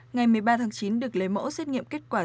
ngày một mươi ba tháng chín được lấy mẫu xét nghiệm kết quả